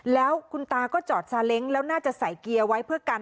แล้วคุณตาก็จอดซาเล้งแล้วน่าจะใส่เกียร์ไว้เพื่อกัน